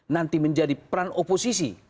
nanti menjadi peran oposisi